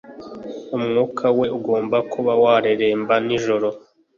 umwuka we ugomba kuba wareremba nijoro